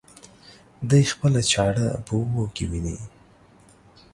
دى خپله چاړه په اوبو کې ويني.